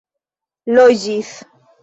loĝis